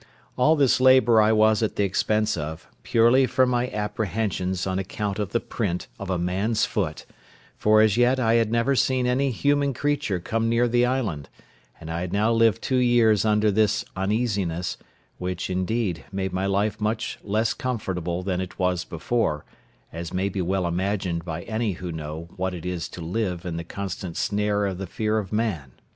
All this labour I was at the expense of, purely from my apprehensions on account of the print of a man's foot; for as yet I had never seen any human creature come near the island; and I had now lived two years under this uneasiness, which, indeed, made my life much less comfortable than it was before, as may be well imagined by any who know what it is to live in the constant snare of the fear of man.